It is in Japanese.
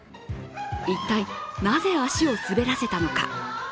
一体、なぜ足を滑らせたのか。